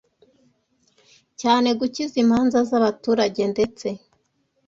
cyane gukiza imanza z’abaturage ndetse